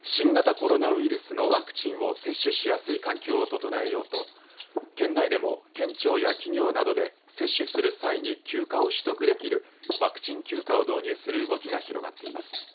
新型コロナウイルスのワクチンを接種しやすい環境を整えようと県内でも、県庁や企業などで接種する際に休暇を取得できるワクチン休暇を導入する動きが広がっています。